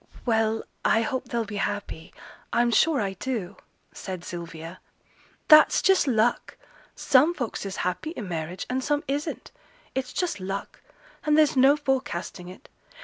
'Well, I hope they'll be happy; I'm sure I do!' said Sylvia. 'That's just luck. Some folks is happy i' marriage, and some isn't. It's just luck, and there's no forecasting it.